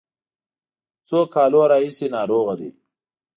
څو کالو راهیسې ناروغه دی.